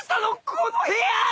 この部屋！